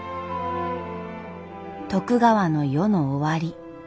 徳川の世の終わり。